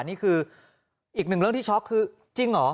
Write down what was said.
นี่คืออีกหนึ่งเรื่องที่ช็อกคือจริงเหรอ